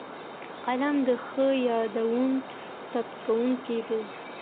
قلم د ښو یادونو ثبتوونکی دی